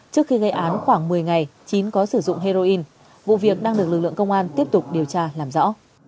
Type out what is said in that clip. trước khi gây án khoảng một mươi ngày chín có sử dụng heroin vụ việc đang được lực lượng công an tiếp tục điều tra làm rõ